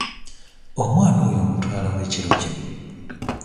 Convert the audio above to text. Omwana oyo omutwala wa ekiro kino?